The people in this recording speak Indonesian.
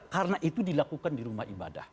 karena itu dilakukan di rumah ibadah